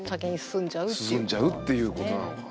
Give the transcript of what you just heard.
進んじゃうっていうことなのか。